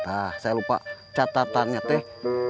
ah saya lupa catatannya teh